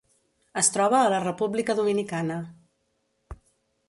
Es troba a la República Dominicana.